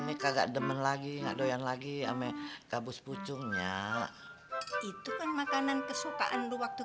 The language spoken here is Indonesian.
ini kagak demen lagi nggak doyan lagi sama gabus pucungnya itu kan makanan kesukaan waktu